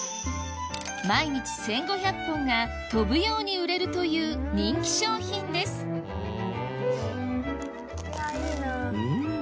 毎日１５００本が飛ぶように売れるという人気商品ですんん。